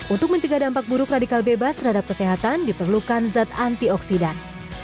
untuk mencegah dampak buruk radikal bebas terhadap kesehatan diperlukan zat antioksidan